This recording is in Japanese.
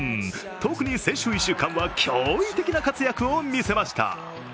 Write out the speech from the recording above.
特に先週１週間は驚異的な活躍を見せました。